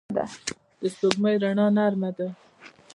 د سپوږمۍ رڼا نرمه ده